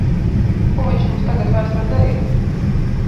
Ko viņš mums tagad vairs var darīt!